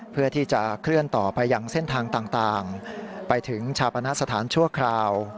เพื่อที่จะเคลื่อนต่อไปยังเส้นทางต่างไปถึงชาปณสถานชั่วคราว